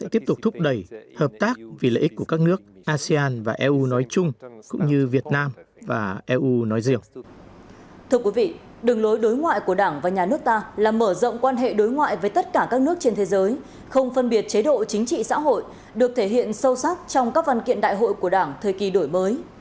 thưa quý vị đường lối đối ngoại của đảng và nhà nước ta là mở rộng quan hệ đối ngoại với tất cả các nước trên thế giới không phân biệt chế độ chính trị xã hội được thể hiện sâu sắc trong các văn kiện đại hội của đảng thời kỳ đổi mới